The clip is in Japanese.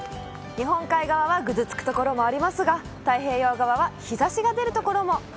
日本海側はぐずつくところもありますが、太平洋側は日ざしが出る所も。